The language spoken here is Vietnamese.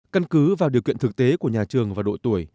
căn cứ vào điều kiện thực tế của nhà trường và độ tuổi